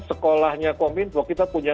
sekolahnya kominfo kita punya